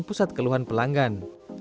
pusat keluhan pelanggan